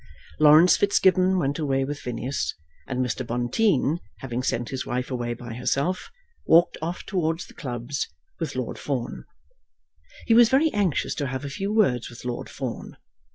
Laurence Fitzgibbon went away with Phineas, and Mr. Bonteen, having sent his wife away by herself, walked off towards the clubs with Lord Fawn. He was very anxious to have a few words with Lord Fawn.